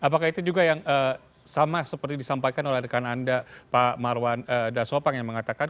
apakah itu juga yang sama seperti disampaikan oleh rekan anda pak marwan dasopang yang mengatakan